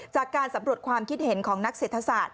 จากการสำรวจความคิดเห็นของนักเศรษฐศาสต